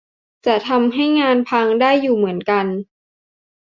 จะทำให้งานพังได้อยู่เหมือนกัน